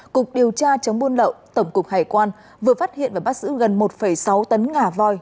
cục điều tra chống buôn lậu tổng cục hải quan vừa phát hiện và bắt giữ gần một sáu tấn ngà voi